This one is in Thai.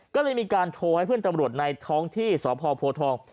ก็เลยมีการโทรให้เพื่อนตำรวจในท้องที่สพโพทอง